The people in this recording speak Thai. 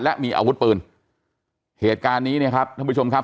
และมีอาวุธปืนเหตุการณ์นี้เนี่ยครับท่านผู้ชมครับ